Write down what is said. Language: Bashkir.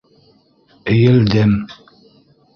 Эйелдем.